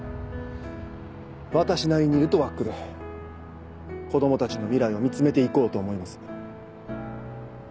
私なりにルトワックで子供たちの未来を見つめて行こうと思います。